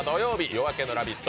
「夜明けのラヴィット！」